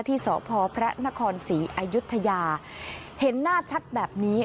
ที่สพพระนครศรีอายุทยาเห็นหน้าชัดแบบนี้